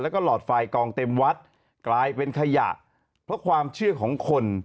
แล้วก็หลอดไฟกองเต็มวัดกลายเป็นขยะเพราะความเชื่อของคน